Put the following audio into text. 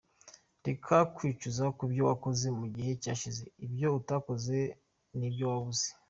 Reka kwicuza ku byo wakoze mu gihe cyashize, ibyo utakoze n’ibyo wabuze.